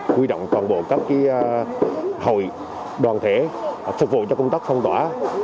quy động toàn bộ các hội đoàn thể phục vụ cho công tác phong tỏa